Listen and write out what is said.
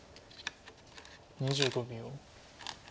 ２５秒。